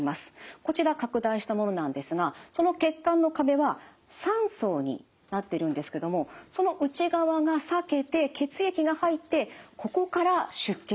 こちら拡大したものなんですがその血管の壁は３層になってるんですけどもその内側が裂けて血液が入ってここから出血しました。